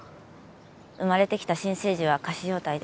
生まれてきた新生児は仮死状態で。